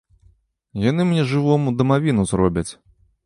Яны мне жывому, дамавіну зробяць!